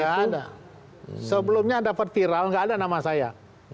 nggak ada sebelumnya ada per viral nggak ada nama saya